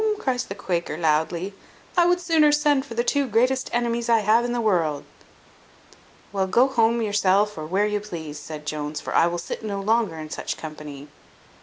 cries the Quaker loudly; "I would sooner send for the two greatest enemies I have in the world!" "Well, go home yourself, or where you please," said Jones, "for I will sit no longer in such company."